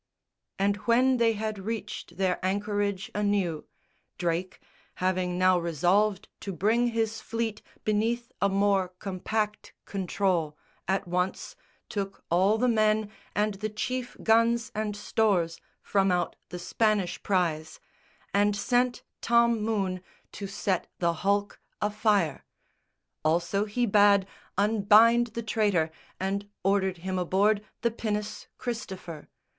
And when they had reached their anchorage anew, Drake, having now resolved to bring his fleet Beneath a more compact control, at once Took all the men and the chief guns and stores From out the Spanish prize; and sent Tom Moone To set the hulk afire. Also he bade Unbind the traitor and ordered him aboard The pinnace Christopher.